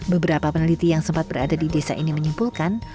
beberapa peneliti yang sempat berada di desa ini menyimpulkan